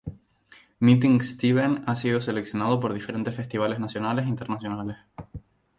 Meeting Steven ha sido seleccionado por diferentes Festivales nacionales e internacionales.